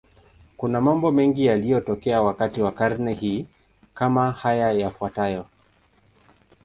Kuna mambo mengi yaliyotokea wakati wa karne hii, kama haya yafuatayo.